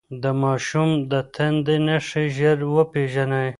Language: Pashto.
د ماشوم د تنده نښې ژر وپېژنئ.